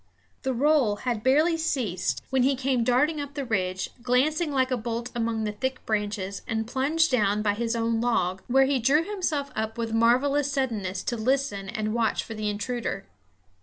The roll had barely ceased when he came darting up the ridge, glancing like a bolt among the thick branches, and plunged down by his own log, where he drew himself up with marvelous suddenness to listen and watch for the intruder.